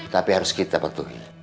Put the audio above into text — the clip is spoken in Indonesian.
tapi harus kita petuhi